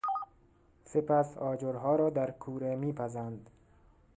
سپس آجرها را در کوره می پزند.